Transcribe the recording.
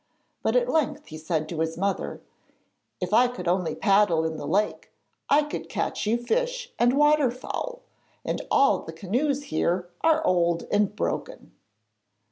But at length he said to his mother: 'If I could only paddle in the lake, I could catch you fish and water fowl; but all the canoes here are old and broken.'